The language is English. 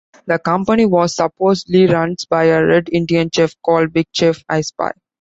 The company was supposedly run by a Red Indian chief called Big Chief I-Spy.